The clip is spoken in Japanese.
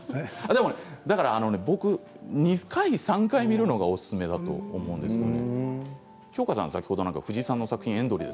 ２回３回見るのがおすすめだと思うんですよね。